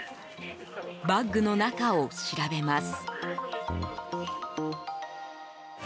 バッグの中を調べます。